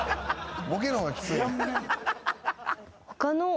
ボケの方がきついんや。